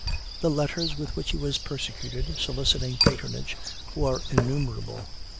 The letters with which he was persecuted, soliciting patronage, were innumerable.